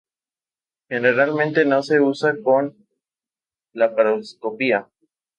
Generalmente no se usa con laparoscopia.